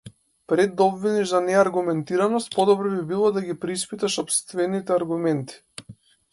Пред да обвиниш за неаргументираност, добро би било да ги преиспиташ сопствените аргументи.